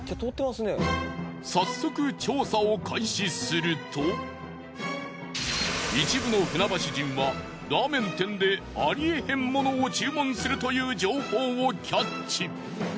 早速一部の船橋人はラーメン店でありえへんモノを注文するという情報をキャッチ。